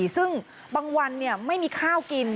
ซึ่งบางวันไม่มีข้าวกิน